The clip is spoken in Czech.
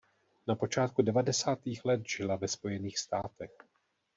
Na počátku devadesátých let žila ve Spojených státech.